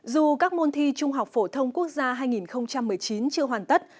dù các môn thi trung học phổ thông quốc gia hai nghìn một mươi chín chưa hoàn tất